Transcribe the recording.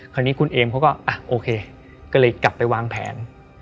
คราวนี้คุณเอมเขาก็โอเคก็เลยกลับไปวางแผน